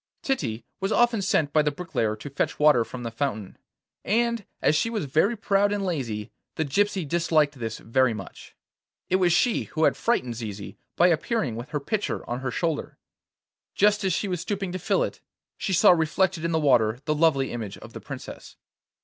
Titty was often sent by the bricklayer to fetch water from the fountain, and as she was very proud and lazy the gypsy disliked this very much. It was she who had frightened Zizi by appearing with her pitcher on her shoulder. Just as she was stooping to fill it, she saw reflected in the water the lovely image of the Princess.